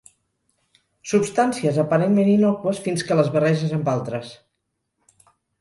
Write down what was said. Substàncies aparentment innòcues fins que les barreges amb altres.